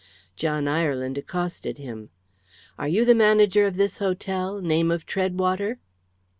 John Ireland accosted him. "Are you the manager of this hotel name of Treadwater?"